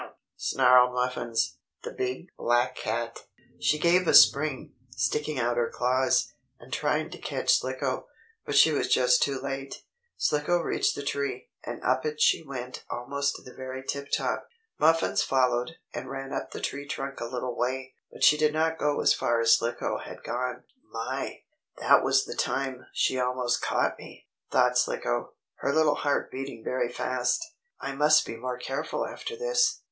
snarled Muffins, the big, black cat. She gave a spring, sticking out her claws, and trying to catch Slicko, but she was just too late. Slicko reached the tree, and up it she went almost to the very tip top. Muffins followed, and ran up the tree trunk a little way, but she did not go as far as Slicko had gone. "My! That was the time she almost caught me!" thought Slicko, her little heart beating very fast. "I must be more careful after this.